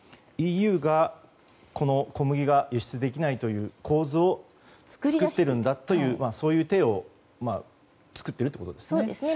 ＥＵが小麦が輸出できないという構図を作っているんだというそういう体を作っているということですね。